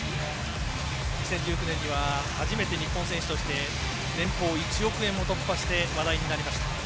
２０１９年には初めて日本人選手として年俸１億円を突破して話題になりました。